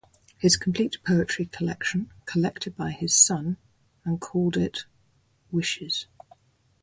His complete poetry collection collected by his son and called it "Wishes".